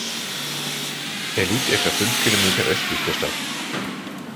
Er liegt etwa fünf Kilometer östlich der Stadt.